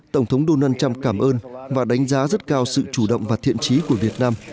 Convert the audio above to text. tổng thống donald trump cảm ơn và đánh giá rất cao sự chủ động và thiện trí của việt nam